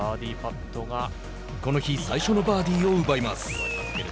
この日、最初のバーディーを奪います。